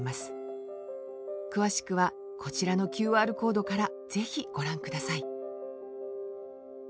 詳しくはこちらのＱＲコードから是非ご覧ください